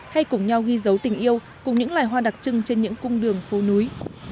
hãy cùng nhau ghi dấu tình yêu cùng những loài hoa đặc trưng trên những cung đường phố núi